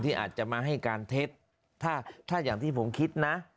อาจจะมาให้การเท็จถ้าอย่างที่ผมคิดนะ